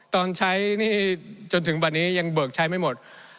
ตอนใช้นี่จนถึงวันนี้ยังเบิกใช้ไม่หมด